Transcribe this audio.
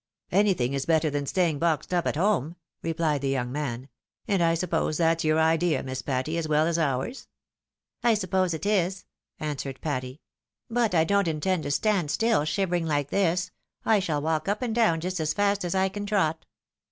" Anything is better than staying boxed up at home," re phed the young man ;" and I suppose that's your idea, Miss Patty, as well as ours ?"" I suppose it is," answered Patty. " But I dop't intend 200 THE WIDOW MARRIED. to stand still, shivering like this — ^I shall walk up and down just as fast as I can trot."